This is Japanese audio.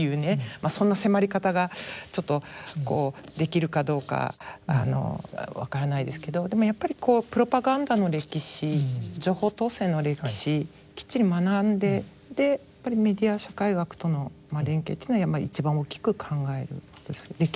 そんな迫り方がちょっとできるかどうかわからないですけどでもやっぱりこうプロパガンダの歴史情報統制の歴史きっちり学んでやっぱりメディア社会学との連携というのは一番大きく考える歴史を情報統制の歴史を。